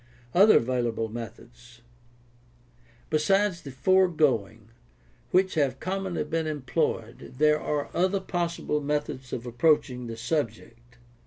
Other Available Methods. — Besides the foregoing, which have commonly been employed, there are other possible methods of approaching the subject.